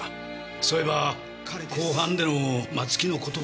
そういえば公判での松木の言葉。